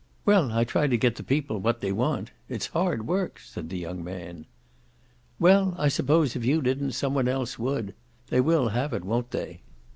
"Well, I try to get the people what they want. It's hard work," said the young man. "Well, I suppose if you didn't some one else would. They will have it, won't they?"